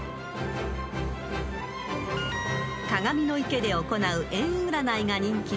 ［鏡の池で行う縁占いが人気の］